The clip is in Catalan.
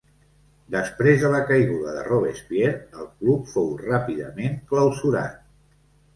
Després de la caiguda de Robespierre, el club fou ràpidament clausurat.